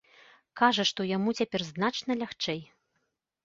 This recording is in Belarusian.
Кажа, што яму цяпер значна лягчэй.